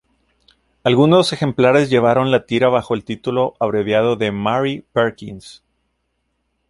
Algunos ejemplares llevaron la tira bajo el título abreviado de Mary Perkins.